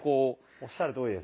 おっしゃるとおりです。